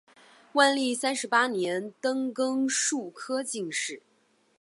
万历三十八年登庚戌科进士。